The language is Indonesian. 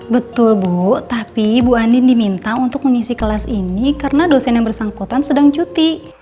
betul bu tapi bu andin diminta untuk mengisi kelas ini karena dosen yang bersangkutan sedang cuti